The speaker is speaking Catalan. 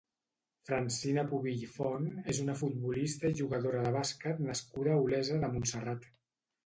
Francina Pubill Font és una futbolista i jugadora de bàsquet nascuda a Olesa de Montserrat.